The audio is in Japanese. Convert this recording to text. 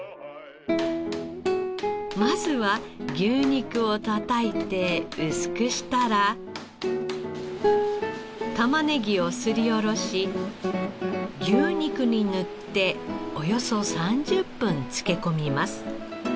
まずは牛肉をたたいて薄くしたらタマネギをすりおろし牛肉に塗っておよそ３０分漬け込みます。